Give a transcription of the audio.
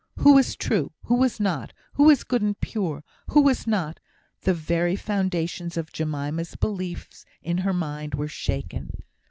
Who was true? Who was not? Who was good and pure? Who was not? The very foundations of Jemima's belief in her mind were shaken.